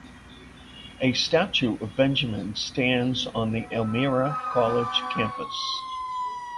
A statue of Benjamin stands on the Elmira College campus.